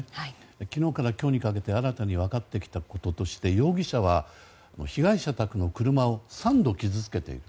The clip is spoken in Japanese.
昨日から今日にかけて新たに分かってきたこととして容疑者は被害者宅の車を３度、傷つけている。